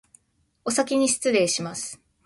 おさきにしつれいします